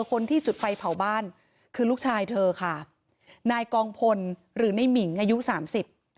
คนที่จุดไฟเผาบ้านคือลูกชายเธอค่ะนายกองพลหรือในหมิงอายุสามสิบ